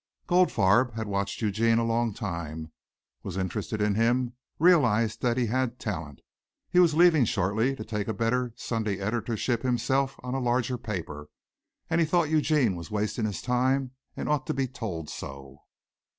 Goldfarb had watched Eugene a long time, was interested in him, realized that he had talent. He was leaving shortly to take a better Sunday Editorship himself on a larger paper, and he thought Eugene was wasting his time and ought to be told so.